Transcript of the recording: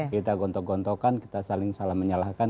kita gontok gontokan kita saling salah menyalahkan